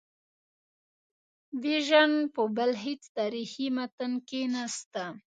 بیژن په بل هیڅ تاریخي متن کې نسته.